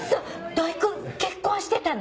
土井君結婚してたの？